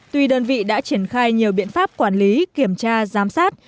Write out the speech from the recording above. tuy đơn vị đã triển khai nhiều biện pháp quản lý kiểm tra giám sát